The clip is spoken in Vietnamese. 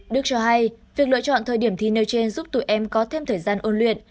đức cho hay việc lựa chọn thời điểm thi nêu trên giúp tụi em có thêm thời gian ôn luyện